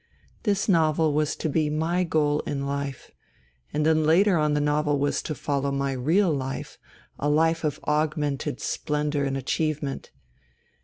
This novel was to be my goal in life, and then later on the novel was to follow my real life, a life of augmented splendour and achievement.